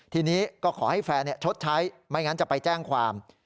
ทีนี้ก็ขอให้แฟนชดใช้ไม่งั้นจะไปแจ้งความ